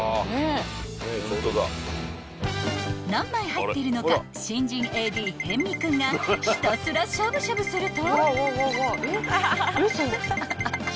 ［何枚入っているのか新人ＡＤ逸見君がひたすらしゃぶしゃぶすると］